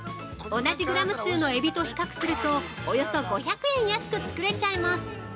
同じグラム数のエビと比較するとおよそ５００円安く作れちゃいます！